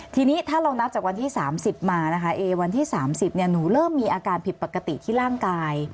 ทีนี้ถ้าเรานับจากวันที่๓๐มานะคะเอวันที่๓๐หนูเริ่มมีอาการผิดปกติที่ร่างกาย